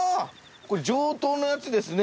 これ上等のやつですね。